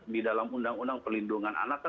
di dalam undang undang pelindungan anak